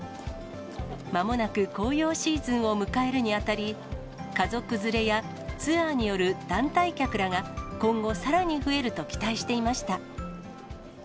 まもなく紅葉シーズンを迎えるにあたり、家族連れやツアーによる団体客らが今後、さらに増えると期待していました。